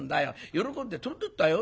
喜んで飛んでいったよ。